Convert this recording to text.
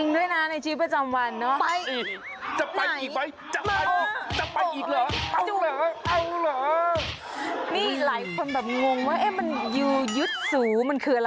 ค่อนข้างชอบไปแล้วใช่ไหมค่างทางชอบไปกับเพื่อนเหรอ